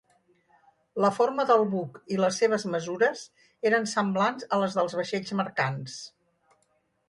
La forma del buc i les seves mesures eren semblants a les dels vaixells mercants.